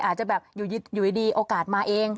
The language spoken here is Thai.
อาจจะแบบอยู่ดีโอกาสมาเอง